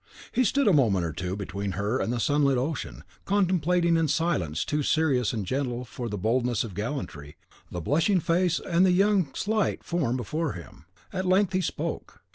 He stood a moment or two between her and the sunlit ocean, contemplating in a silence too serious and gentle for the boldness of gallantry, the blushing face and the young slight form before him; at length he spoke.